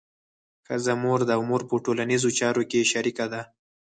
ښځه مور ده او مور په ټولنیزو چارو کې شریکه ده.